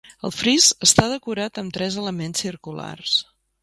El fris està decorat amb tres elements circulars.